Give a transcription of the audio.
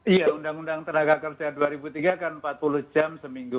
iya undang undang tenaga kerja dua ribu tiga kan empat puluh jam seminggu